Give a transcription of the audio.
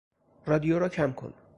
رادیو را کم کن!